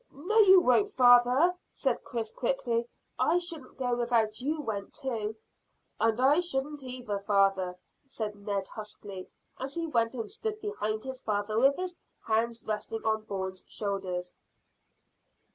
"No, you won't, father," said Chris quickly. "I shouldn't go without you went too." "And I shouldn't either, father," said Ned huskily, as he went and stood behind his father with his hands resting on Bourne's shoulders.